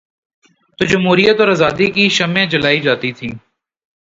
تو جمہوریت اور آزادی کی شمعیں جلائی جاتی تھیں۔